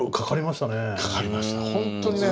かかりました。